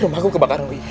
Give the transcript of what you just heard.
rumah aku kebakaran wuy